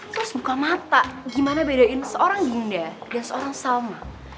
terus buka mata gimana bedain seorang dinda dan seorang salma